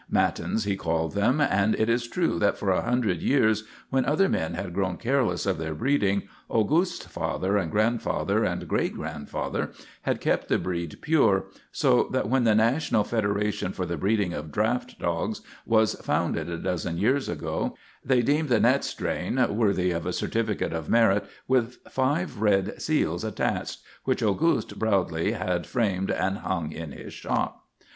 Matins, he called them; and it is true that for a hundred years, when other men had grown careless of their breeding, Auguste's father and grandfather and great grandfather had kept the breed pure, so that when the National Federation for the Breeding of Draft Dogs was founded a dozen years ago they deemed the Naets strain worthy of a certificate of merit with five red seals attached, which Auguste proudly had framed and hung in his shop.